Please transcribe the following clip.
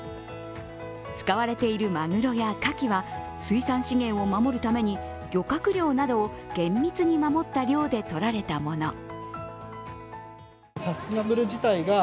使われているまぐろやかきは水産資源を守るために漁獲量などを厳密に守った量で取られたもの。